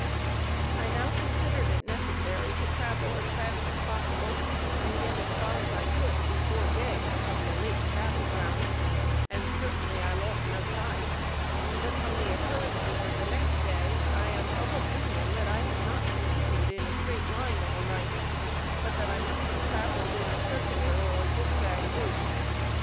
I now considered it necessary to travel as fast as possible, and get as far as I could before day from the late battle ground, and certainly I lost no time; but from the occurrences of the next day, I am of opinion that I had not continued in a straight line all night, but that I must have traveled in a circular or zigzag route.